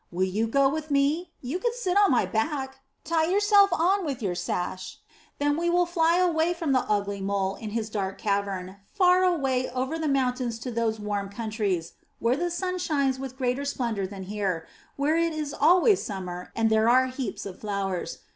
Will you go with me? You can sit upon my back! Tie yourself on with your sash, then we will fly away from the ugly Mole and his dark cavern, far away over the mountains to those warm countries where the sun shines with greater splendor than here, where it is always summer and there are heaps of flowers.